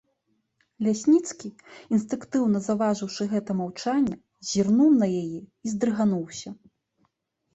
Лясніцкі, інстынктыўна заўважыўшы гэта маўчанне, зірнуў на яе і здрыгануўся.